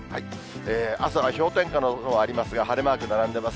朝は氷点下の所ありますが、晴れマーク並んでます。